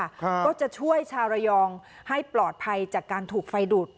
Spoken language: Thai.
ก็จะช่วยชาวระยองให้ปลอดภัยจากการถูกไฟดูด